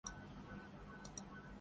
!کہیں نظر نہ لگ جائے